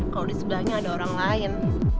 kalau di sebelahnya ada orang lain